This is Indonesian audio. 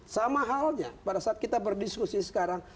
sama halnya pada saat kita berdiskusi sekarang